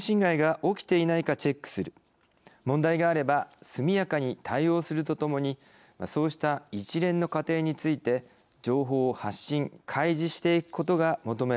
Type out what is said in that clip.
問題があれば速やかに対応するとともにそうした一連の過程について情報を発信開示していくことが求められているのです。